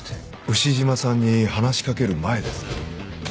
牛島さんに話しかける前です。